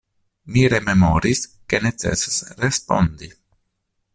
Mi rememoris, ke necesas respondi.